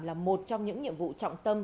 là một trong những nhiệm vụ trọng tâm